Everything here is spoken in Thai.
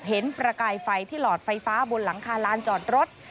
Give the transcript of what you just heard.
ประกายไฟที่หลอดไฟฟ้าบนหลังคาลานจอดรถ